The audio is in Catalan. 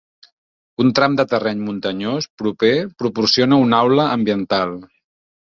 Un tram de terreny muntanyós proper proporciona un "aula" ambiental.